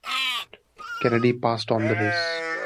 Kennedy passed on the race.